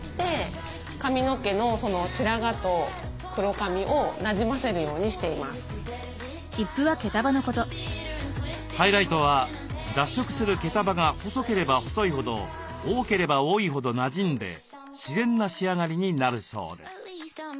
髪を縫うようにしていくテクニックなんですけどハイライトは脱色する毛束が細ければ細いほど多ければ多いほどなじんで自然な仕上がりになるそうです。